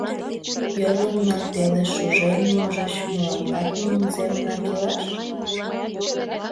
— Йорлын ма, пеле шужен, можыч, мыланнат нунын семынак илаш?